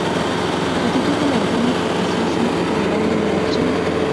که د دغو لارښوونو پر اساس مخ پر وړاندې ولاړ شئ.